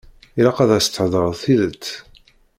Ilaq ad as-theḍṛeḍ tidet.